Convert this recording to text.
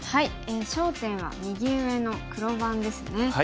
焦点は右上の黒番ですね。